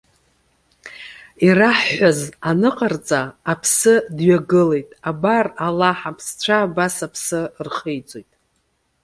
Ираҳҳәаз аныҟарҵа, аԥсы дҩагылеит. Абар, Аллаҳ аԥсцәа абас аԥсы рхеиҵоит.